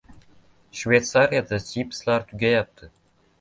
Shveysariyada chipslar tugayapti